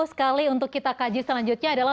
sekali untuk kita kaji selanjutnya adalah